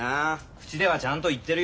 口ではちゃんと言ってるよ。